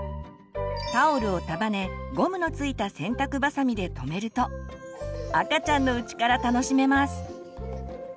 タオルを束ねゴムの付いた洗濯ばさみでとめると赤ちゃんのうちから楽しめます。